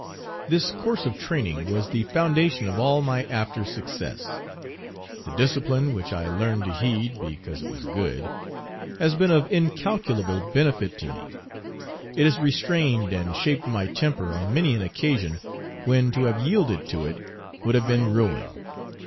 This course of training was the foundation of all my after success. The discipline, which I learned to heed, because it was good, has been of incalculable benefit to me. It has restrained and shaped my temper on many an occasion when to have yielded to it would have been ruin.